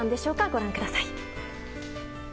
ご覧ください。